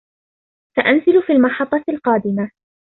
سأنزل في المحطة القادمة.